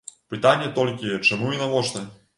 Пытанне толькі, чаму і навошта.